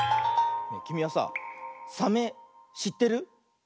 きみはさサメしってる？